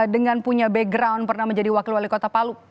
dengan punya background pernah menjadi wakil wali kota palu